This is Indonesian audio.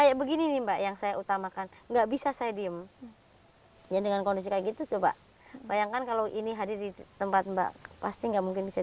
apa yang harus kita lakukan